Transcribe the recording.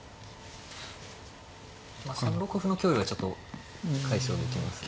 まあ３六歩の脅威はちょっと解消できますが。